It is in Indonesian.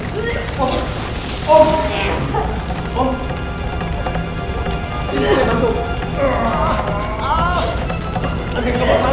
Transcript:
tidak bisa pak